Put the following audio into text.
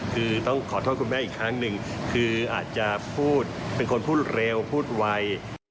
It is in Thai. คือต้องขอโทษคุณแม่อีกครั้งหนึ่งคืออาจจะพูดเป็นคนพูดเร็วพูดไว